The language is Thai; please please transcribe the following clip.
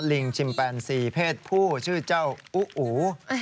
ลิงชิมแปนซีเพศผู้ชื่อเจ้าอุ